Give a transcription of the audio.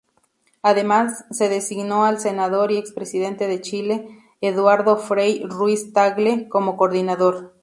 Además, se designó al senador y expresidente de Chile, Eduardo Frei Ruiz-Tagle, como coordinador.